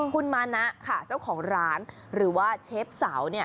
คุณมานะค่ะเจ้าของร้านหรือว่าเชฟเสาเนี่ย